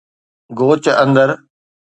گوچ اندر